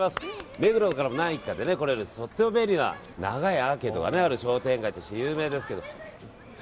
目黒から何駅かで来れるとても便利な長いアーケードのある商店街が有名ですけど。